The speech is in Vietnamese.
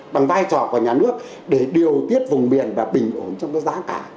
bằng vai trò của nhà nước để điều tiết vùng biển và bình ổn trong cái giá cả